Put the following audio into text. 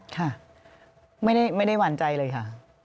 ค่ะไม่ได้หวั่นใจเลยค่ะ